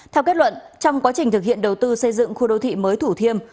theo kết luận trong quá trình thực hiện đầu tư xây dựng khu đô thị mới thủ thiêm